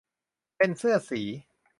เป็นเสื้อสี